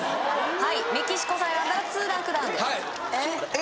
はいメキシコ産選んだら２ランクダウンですえっ？